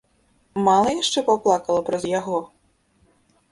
Мала яшчэ паплакала праз яго?